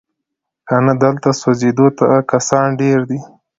کنه دلته سوځېدو ته کسان ډیر دي